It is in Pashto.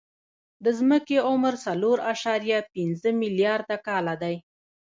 د ځمکې عمر څلور اعشاریه پنځه ملیارده کاله دی.